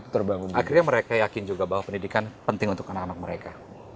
terbangun akhirnya mereka yakin juga bahwa pendidikan penting untuk anak anak mereka